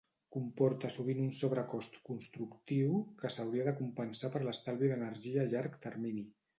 Comporta sovint un sobrecost constructiu, que s'hauria de compensar per l'estalvi d'energia a llarg termini.